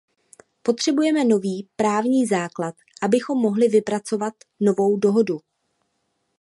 Potřebujeme nový právní základ, abychom mohli vypracovat novou dohodu.